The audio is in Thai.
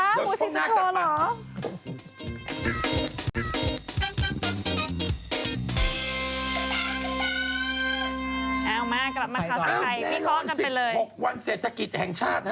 เอ้ามากลับมาค่ะสุดท้ายพี่คอล์กันไปเลยไปแล้วแน่นอน๑๖วันเศรษฐกิจแห่งชาติฮะ